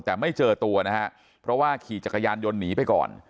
แต่ไม่เจอตัวนะฮะเพราะว่าขี่จักรยานยนต์หนีไปก่อน